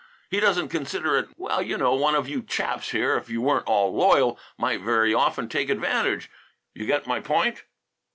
He doesn't consider it ... well, you know one of you chaps here, if you weren't all loyal, might very often take advantage you get my point?"